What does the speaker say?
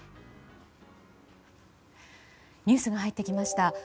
ニュースが入ってきました。